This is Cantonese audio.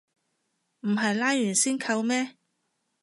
唔係拉完先扣咩